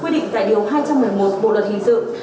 quy định tại điều hai trăm một mươi một bộ luật hình sự